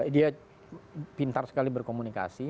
dia pintar sekali berkomunikasi